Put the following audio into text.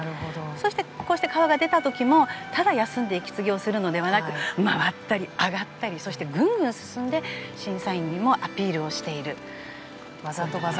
そして、こうして体が出た時ただ休んで息継ぎをするのではなく回ったり、上がったりぐんぐん進んで審査員にもアピールをしている。